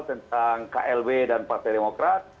tentang klb dan partai demokrat